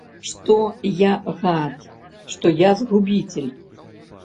Што я гад, што я згубіцель.